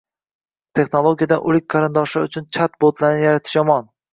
Texnologiyadan oʻlik qarindoshlar uchun chat-botlarni yaratish yomon